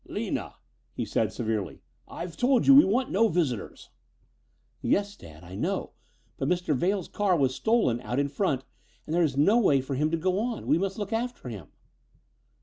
"Lina," he said severely, "I've told you we want no visitors." "Yes, Dad, I know, but Mr. Vail's car was stolen out in front and there is no way for him to go on. We must look after him."